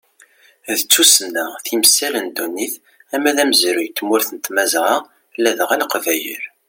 D tussna, timsal n ddunit ama d amezruy n tmurt n tmazɣa ladɣa leqbayel.